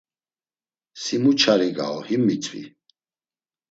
Si mu çari gau, him mitzvi.